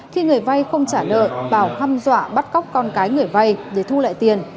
khi người vay không trả nợ bảo hâm dọa bắt cóc con cái người vay để thu lại tiền